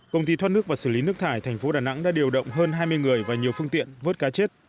công ty thoát nước và xử lý nước thải thành phố đà nẵng đã điều động hơn hai mươi người và nhiều phương tiện vớt cá chết